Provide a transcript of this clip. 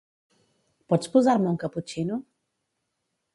Pots posar-me un caputxino?